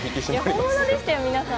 本物でしたよ、皆さん。